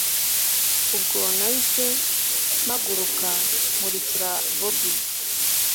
ubwo nahise mpaguruka nkurikira bobi